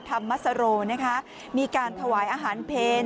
ธรรมสโรนะคะมีการถวายอาหารเพล